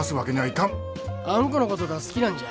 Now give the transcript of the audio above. あんこのことが好きなんじゃ。